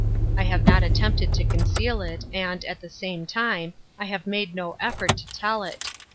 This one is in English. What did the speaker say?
I have not attempted to conceal it, and, at the same time, I have made no effort to tell it.